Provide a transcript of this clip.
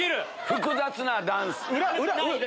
複雑なダンス。